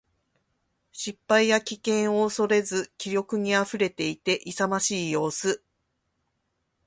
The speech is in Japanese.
失敗や危険を恐れず気力に溢れていて、勇ましい様子。